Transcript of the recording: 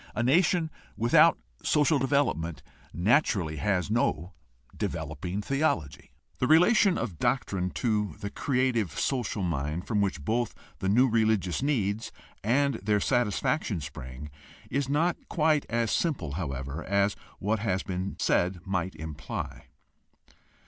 A nation without social development natu rally has no developing theology. The relation of doctrine to the creative social mind from which both the new religious needs and their satisfaction spring is not quite as simple, however, as what has been said might imply.